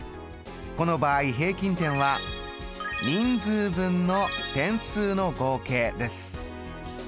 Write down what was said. この場合平均点は人数分の点数の合計です。